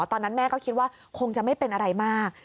ตอนนั้นแม่ก็คิดว่าคงจะไม่เป็นอะไรมาก